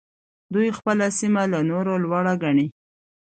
دوی خپله سيمه له نورو لوړه ګڼي.